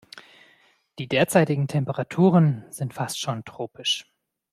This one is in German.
Die derzeitigen Temperaturen sind fast schon tropisch.